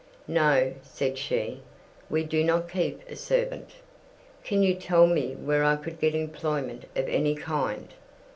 "No," said she; "we do not keep a servant." "Can you tell me where I could get employment of any kind?"